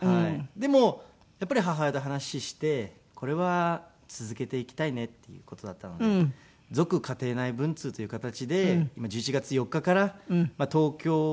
でもやっぱり母親と話をしてこれは続けていきたいねっていう事だったので『続・家庭内文通』という形で１１月４日から東京をはじめ全国６都市で。